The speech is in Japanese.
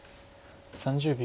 ３０秒。